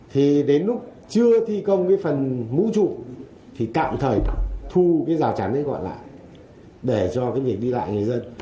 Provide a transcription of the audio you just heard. thì đến lúc chưa thi công phần mũ trụ thì tạm thời thu giao chắn gọi lại để cho việc đi lại người dân